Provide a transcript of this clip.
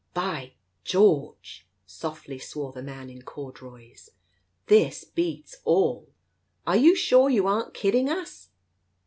"By George!" softly swore the man in corduroys. "This beats all. Are you sure you aren't kidding us?"